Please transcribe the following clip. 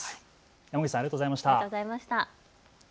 山口さん、ありがとうございました。